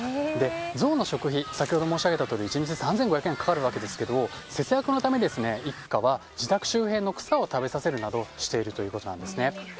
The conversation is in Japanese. ゾウの食費先ほど申し上げたとおり１日３５００円かかるわけですけど節約のため一家は自宅周辺の草を食べさせるなどしているということです。